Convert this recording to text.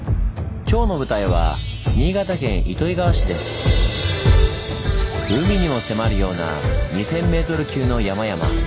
今日の舞台は海にも迫るような２，０００ｍ級の山々。